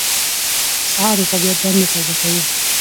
سهار د طبیعت دنده تازه کوي.